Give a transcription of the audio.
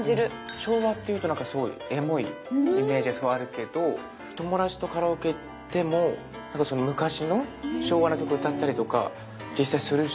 昭和っていうとなんかすごいエモいイメージがすごいあるけど友達とカラオケ行ってもなんかその昔の昭和の曲歌ったりとか実際するし。